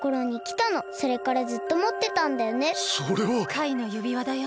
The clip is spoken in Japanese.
カイのゆびわだよ。